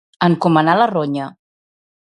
Encomanar la ronya.